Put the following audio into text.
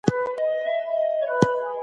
آيا د وګړو زياتوالی د اقتصاد لپاره ننګونه ده؟